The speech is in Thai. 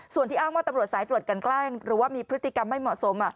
ส่วนที่อ้างว่าตำรวจสายตรวจกันแกล้งหรือว่ามีพฤติกรรมไม่เหมาะสม